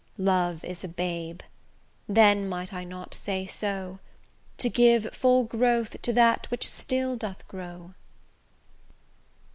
Love is a babe, then might I not say so, To give full growth to that which still doth grow?